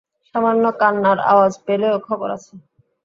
সামান্য কান্নার আওয়াজ পেলেও খবর আছে।